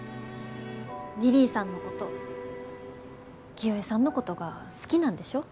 リリィさんのこと清恵さんのことが好きなんでしょ？